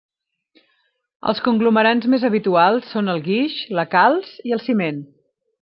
Els conglomerants més habituals són el guix, la calç, i el ciment.